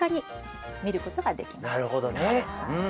なるほどねうん。